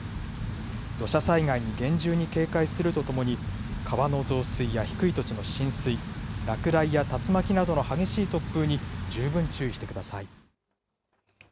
土砂災害に厳重に警戒するとともに、川の増水や低い土地の浸水、落雷や竜巻などの激しい突風に十分注意してください。